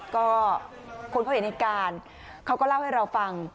ก็คนเขาเห็นเหตุการณ์เขาก็เล่าให้เราฟัง